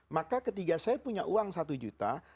maka ketika saya punya uang satu juta